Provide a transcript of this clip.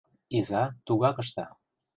Иза тугак ышта.